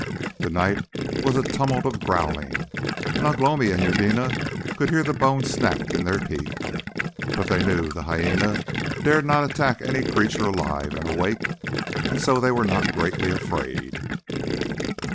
The night was a tumult of growling, and Ugh lomi and Eudena could hear the bones snap in their teeth. But they knew the hyæna dare not attack any creature alive and awake, and so they were not greatly afraid.